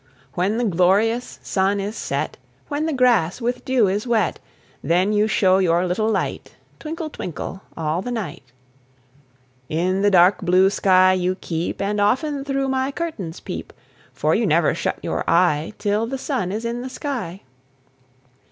When the glorious sun is set, When the grass with dew is wet, Then you show your little light, Twinkle, twinkle all the night. In the dark blue sky you keep, And often through my curtains peep, For you never shut your eye, Till the sun is in the sky.